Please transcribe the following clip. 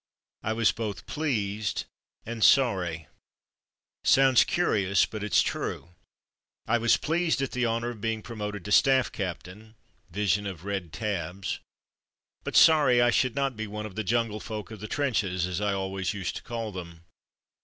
I was both pleased and sorry — sounds curious, but it's true. I was pleased at the honour of being 86 From Mud to Mufti promoted to staff captain (vision of red tabs), but sorry that I should not be one of the "Jungle Folk of the trenches/' as I always used to call them.